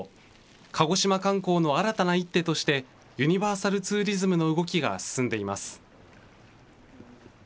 鹿児島観光の新たな一手として、ユニバーサルツーリズムの動きが進んでいます。